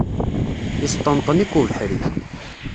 Yesṭenṭen-ik ubeḥri.